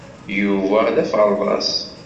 Yuba d aferḍas.